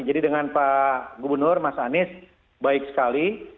jadi dengan pak gubernur mas anies baik sekali